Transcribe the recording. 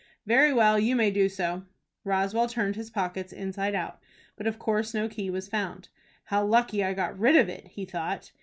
"Very well. You may do so." Roswell turned his pockets inside out, but of course no key was found. "How lucky I got rid of it!" he thought.